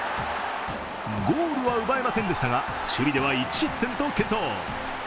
ゴールは奪えませんでしたが、守備では１失点と健闘。